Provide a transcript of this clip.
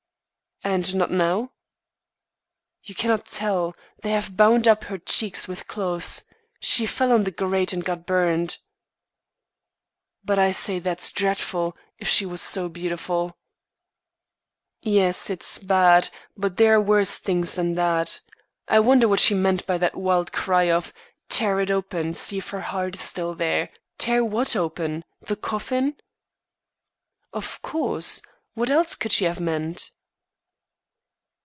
"And not now?" "You cannot tell; they have bound up her cheeks with cloths. She fell on the grate and got burned." "But I say that's dreadful, if she was so beautiful." "Yes, it's bad, but there are worse things than that. I wonder what she meant by that wild cry of 'Tear it open! See if her heart is there?' Tear what open? the coffin?" "Of course. What else could she have meant?"